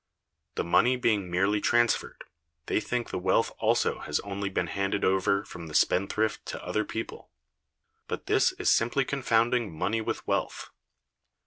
The money being merely transferred, they think the wealth also has only been handed over from the spendthrift to other people. But this is simply confounding money with wealth.